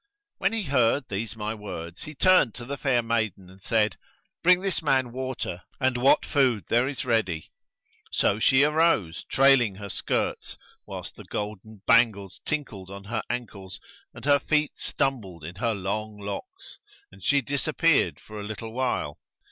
When he heard these my words, he turned to the fair maiden and said, "Bring this man water and what food there is ready." So she arose trailing her skirts, whilst the golden bangles tinkled on her ankles and her feet stumbled in her long locks, and she disappeared for a little while.